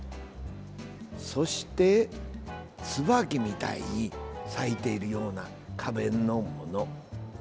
そして、ツバキみたいに咲いているような花弁のもの。